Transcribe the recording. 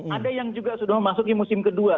ada yang juga sudah masuk di musim kedua